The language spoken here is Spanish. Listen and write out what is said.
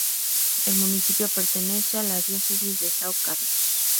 El municipio pertenece a la Diócesis de São Carlos